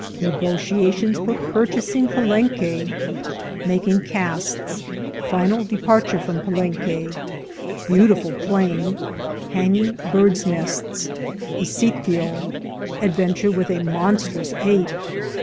— Negotiations for Purchasing Palenque. — Making Casts. — Final Departure from Palenque. — Beautiful Plain.— Hanging Birds' nests. — A Sitio. — Adventure with a monstrous Ape.